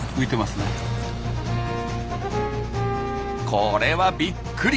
これはびっくり。